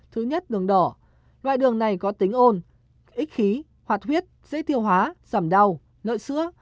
thứ nhất đường đỏ loại đường này có tính ôn ít khí hoạt huyết dễ tiêu hóa giảm đau nợ sữa